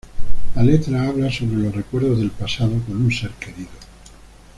La letra habla sobre los recuerdos del pasado con un ser querido.